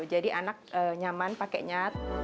jadi anak nyaman pakenya